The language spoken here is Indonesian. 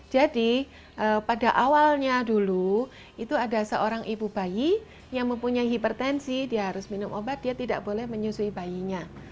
jadi pada awalnya dulu itu ada seorang ibu bayi yang mempunyai hipertensi dia harus minum obat dia tidak boleh menyusui bayinya